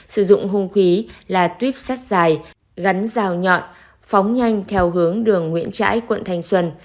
sử dụng hung khí là tuyếp sắt dài gắn rào nhọn phóng nhanh theo hướng đường nguyễn trãi quận thanh xuân